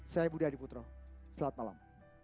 saya budi adiputro selamat malam